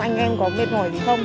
anh em có mệt mỏi gì không